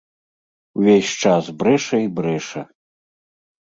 Увесь час брэша і брэша.